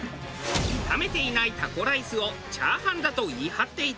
炒めていないタコライスをチャーハンだと言い張っていた。